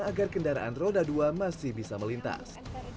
agar kendaraan roda dua masih bisa melintas